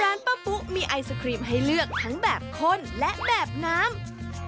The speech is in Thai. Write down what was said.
ป้าปุ๊มีไอศครีมให้เลือกทั้งแบบคนและแบบน้ำ